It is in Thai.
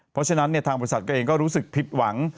เพราะฉะนั้นทางบริษัทก็เองก็รู้สึกผิดหวัง